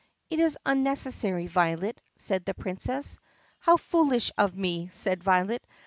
"It is unnecessary, Violet," said the Princess. "How foolish of me !" said Violet.